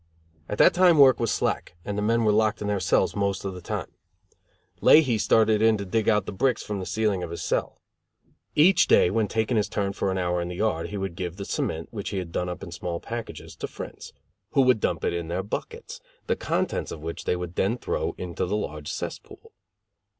At that time work was slack and the men were locked in their cells most of the time. Leahy started in to dig out the bricks from the ceiling of his cell. Each day, when taking his turn for an hour in the yard, he would give the cement, which he had done up in small packages, to friends, who would dump it in their buckets, the contents of which they would then throw into the large cesspool.